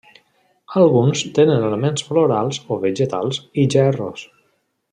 Alguns tenen elements florals o vegetals i gerros.